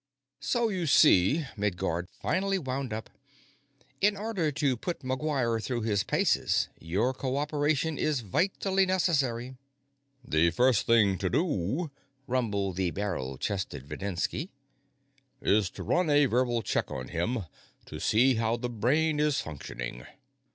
"... So you see," Midguard finally wound up, "in order to put McGuire through his paces, your co operation is vitally necessary." "The first thing to do," rumbled the barrel chested Videnski, "is to run a verbal check on him, to see how the brain is functioning."